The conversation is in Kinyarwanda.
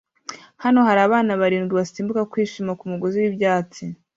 Hano hari abana barindwi basimbuka kwishima kumusozi wibyatsi